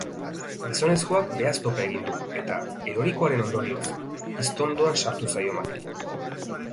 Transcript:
Gizonezkoak behaztopa egin du eta, erorikoaren ondorioz, iztondoan sartu zaio makila.